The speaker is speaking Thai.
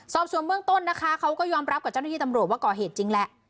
สอบส่วนเบื้องต้นนะคะเขาก็ยอมรับกับเจ้าหน้าที่ตำรวจว่าก่อเหตุจริงแหละ